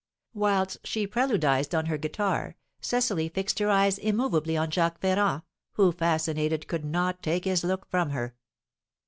Whilst she preludised on her guitar, Cecily fixed her eyes immovably on Jacques Ferrand, who, fascinated, could not take his look from her.